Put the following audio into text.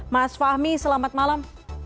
mas fahmi selamat malam